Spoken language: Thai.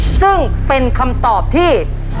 ซึ่งเป็นคำตอบที่